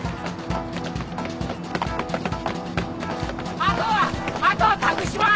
あとはあとは託します！